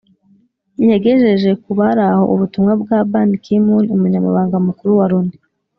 Yagejeje kubari aho ubutumwa bwa ban ki moon umunyamabanga mukuru wa loni